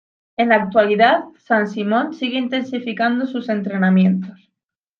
En la actualidad, San Simón sigue intensificando sus entrenamientos.